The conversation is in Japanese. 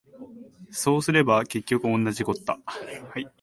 そうすれば結局おんなじこった